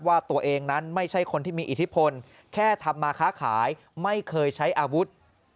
ว่าตัวเองนั้นไม่ใช่คนที่มีอิทธิพลแค่ทำมาค้าขายไม่เคยใช้อาวุธ